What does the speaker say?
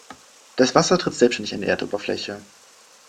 Das Wasser tritt selbständig an die Erdoberfläche.